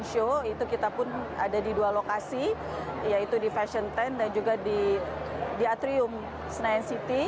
show itu kita pun ada di dua lokasi yaitu di fashion ten dan juga di atrium senayan city